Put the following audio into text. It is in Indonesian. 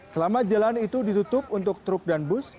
selama jalan itu ditutup untuk truk dan bus